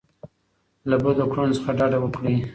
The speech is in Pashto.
له بدو کړنو څخه ډډه وکړئ.